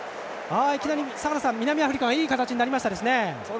いきなり、坂田さん南アフリカがいい形になりました。